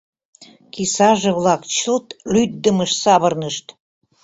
Кисаже-влак чылт лӱддымыш савырнышт.